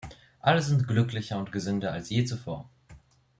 Alle sind glücklicher und gesünder als je zuvor.